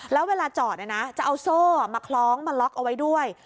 แล้วเวลาจอดจะเอาโซ่มาคล้องมาล็อกเอาไว้ด้วย